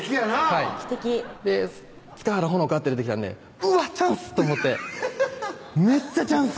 はい「塚原帆香」って出てきたんでうわっチャンスと思ってめっちゃチャンス